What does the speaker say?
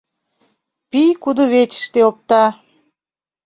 Пий кудывечыште опта.